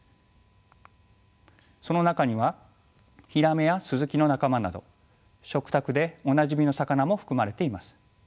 その中にはヒラメやスズキの仲間など食卓でおなじみの魚も含まれています。